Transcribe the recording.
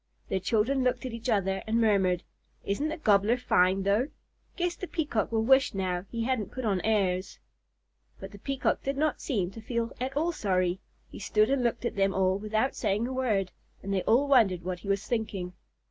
Their children looked at each other and murmured, "Isn't the Gobbler fine though? Guess the Peacock will wish now that he hadn't put on airs." But the Peacock did not seem to feel at all sorry. He stood and looked at them all without saying a word, and they all wondered what he was thinking.